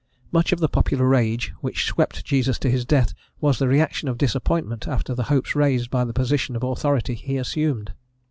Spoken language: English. Much of the popular rage which swept Jesus to his death was the re action of disappointment after the hopes raised by the position of authority he assumed.